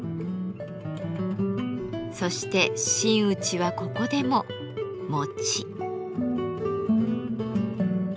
そして真打ちはここでも餅。